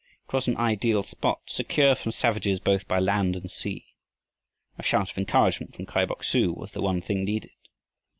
It was an ideal spot, secure from savages both by land and sea. A shout of encouragement from Kai Bok su was the one thing needed.